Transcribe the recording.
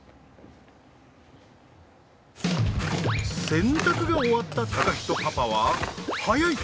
洗濯が終わった貴仁パパは速い！